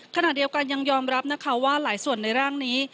ขณะเดียวกันยังยอมรับนะคะว่าหลายส่วนในร่างนี้